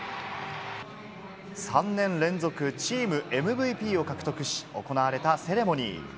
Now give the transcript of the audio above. ３年連続チームＭＶＰを獲得し、行われたセレモニー。